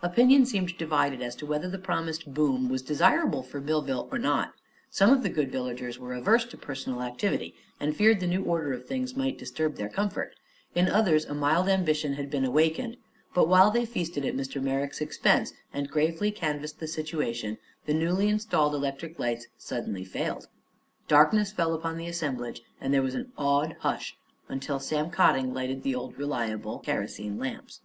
Opinion seemed divided as to whether the promised "boom" was desirable for Millville or not. Some of the good villagers were averse to personal activity and feared the new order of things might disturb their comfort; in others a mild ambition had been awakened. But while they feasted at Mr. Merrick's expense and gravely canvassed the situation, the newly installed electric lights suddenly failed. Darkness fell upon the assemblage and there was an awed hush until Sam Cotting lighted the old reliable kerosene lamps.